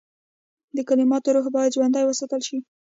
د کلماتو روح باید ژوندی وساتل شي.